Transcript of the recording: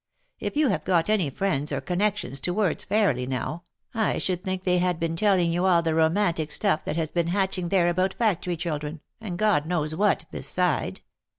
If you had got any friends or connexions towards Fairly now, I should think they had been telling you all the romantic stuff that has been hatch ing there about factory children, and God knows what beside.